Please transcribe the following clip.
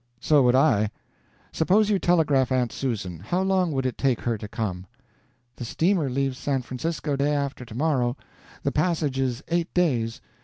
"So would I. Suppose you telegraph Aunt Susan. How long would it take her to come?" "The steamer leaves San Francisco day after tomorrow. The passage is eight days.